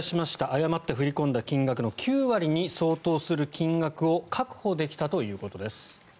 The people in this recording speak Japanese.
誤って振り込んだ金額の９割に相当する金額を確保できたということです。